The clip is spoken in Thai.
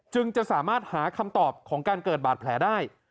จะสามารถหาคำตอบของการเกิดบาดแผลได้